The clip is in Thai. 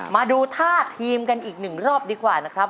มาดูท่าทีมกันอีกหนึ่งรอบดีกว่านะครับ